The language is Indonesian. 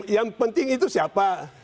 yang penting itu siapa